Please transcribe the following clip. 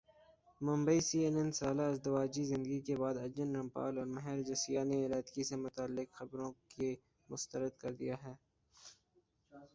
Mumbai C N N سالہ ازدواجی زندگی کے بعد ارجن رامپال اور مہر جسیہ نے علیحدگی سے متعلق خبروں کع مسترد کردیا ہے